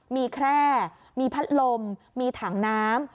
มีแคร่มีพัดลมมีถังน้ำ